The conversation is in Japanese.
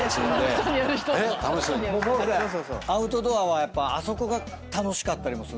アウトドアはやっぱあそこが楽しかったりもするんですよね。